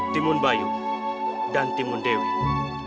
timun bayu dan timun dewi